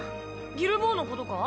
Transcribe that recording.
ギル坊のことか？